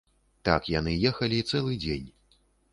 Так яны ехалі цэлы дзень.